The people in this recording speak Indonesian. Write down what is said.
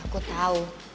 ya aku tau